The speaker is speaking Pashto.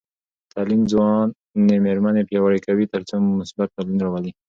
تعلیم ځوانې میرمنې پیاوړې کوي تر څو مثبت بدلون راولي.